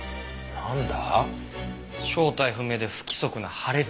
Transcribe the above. なんだ？